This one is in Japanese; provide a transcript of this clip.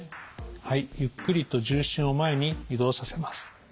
はいゆっくりと重心を前に移動させます。